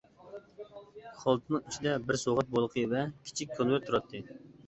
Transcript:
خالتىنىڭ ئىچىدە بىر سوۋغات بولىقى ۋە كىچىك كونۋېرت تۇراتتى.